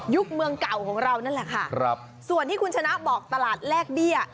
เมืองเก่าของเรานั่นแหละค่ะครับส่วนที่คุณชนะบอกตลาดแลกเบี้ย